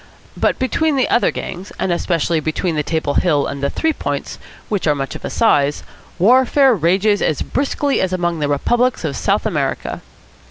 But between the other gangs, and especially between the Table Hill and the Three Points, which are much of a size, warfare rages as briskly as among the republics of South America.